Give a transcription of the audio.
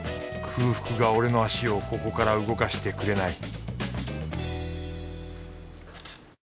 空腹が俺の足をここから動かしてくれない